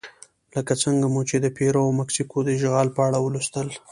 لکه څنګه مو چې د پیرو او مکسیکو د اشغال په اړه ولوستل.